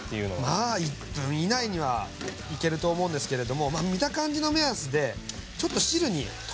まあ１分以内にはいけると思うんですけれども見た感じの目安でちょっと汁にとろみがついてくるぐらいまで。